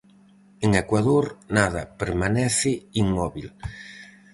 En Ecuador nada permanece inmóbil.